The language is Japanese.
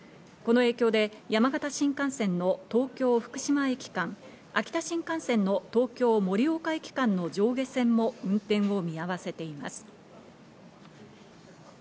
この影響で山形新幹線の東京−福島駅間、秋田新幹線の東京ー盛岡駅間の上下線も運転を見合わせています。